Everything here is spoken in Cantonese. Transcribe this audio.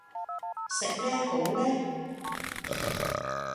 食咩好呢？